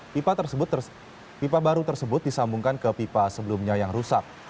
pipa baru tersebut disambungkan ke pipa sebelumnya yang rusak